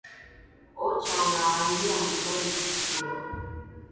ocha unawaambia mukubali matokeo